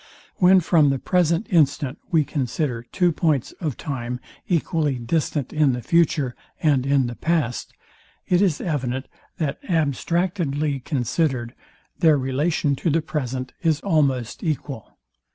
When from the present instant we consider two points of time equally distant in the future and in the past, it is evident, that, abstractedly considered, their relation to the present is almost equal.